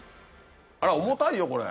あら重たいよこれ。